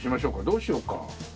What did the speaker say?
どうしようか？